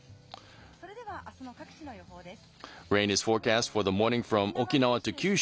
それではあすの各地の予報です。